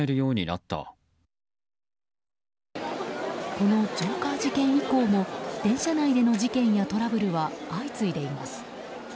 このジョーカー事件以降も電車内での事件やトラブルは相次いでいます。